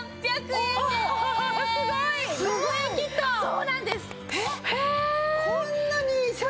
そうなんですよ！